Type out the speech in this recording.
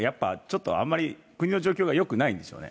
やっぱ、国の状況がよくないんでしょうね。